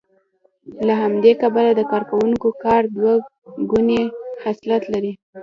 له همدې کبله د کارکوونکو کار دوه ګونی خصلت لري